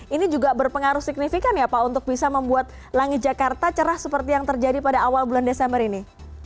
ini juga berpengaruh signifikan ya pak untuk bisa membuat langit jakarta cerah seperti yang terjadi pada awal bulan desember ini